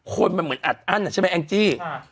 คนมันเหมือนอัดอั้นอ่ะใช่ไหมแองจี้